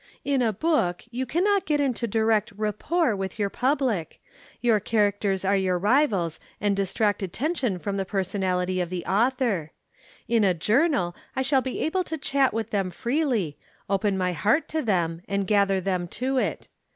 "In a book, you cannot get into direct rapport with your public. Your characters are your rivals and distract attention from the personality of the author. In a journal I shall be able to chat with them freely, open my heart to them and gather them to it.